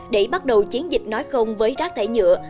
để bắt đầu chiến dịch nói không với rác thải nhựa